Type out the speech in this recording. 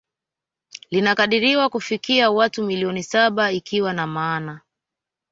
Linakadiriwa kufikia watu milioni saba ikiwa na maana